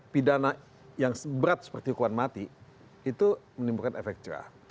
pidana yang berat seperti hukuman mati itu menimbulkan efek cerah